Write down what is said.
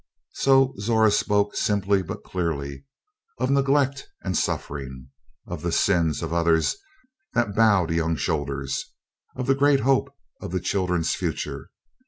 So Zora spoke simply but clearly: of neglect and suffering, of the sins of others that bowed young shoulders, of the great hope of the children's future.